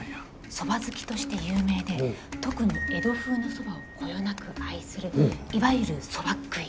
蕎麦好きとして有名で特に江戸風の蕎麦をこよなく愛するいわゆる「蕎麦っ喰い」。